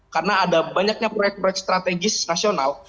karena ada banyaknya proyek proyek strategis nasional